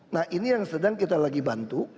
nah ini yang sedang kita lagi bantu